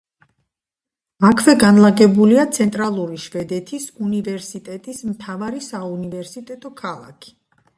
აქვე განლაგებულია ცენტრალური შვედეთის უნივერსიტეტის მთავარი საუნივერსიტეტო ქალაქი.